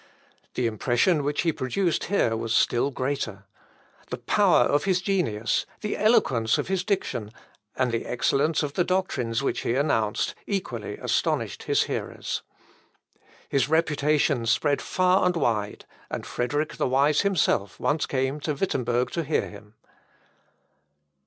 The impression which he produced here was still greater. The power of his genius, the eloquence of his diction, and the excellence of the doctrines which he announced, equally astonished his hearers. His reputation spread far and wide, and Frederick the Wise himself once came to Wittemberg to hear him.